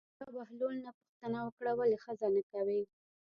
چا بهلول نه پوښتنه وکړه ولې ښځه نه کوې.